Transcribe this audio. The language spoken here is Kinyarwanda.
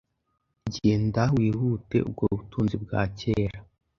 Genda wihute ubwo butunzi bwa kera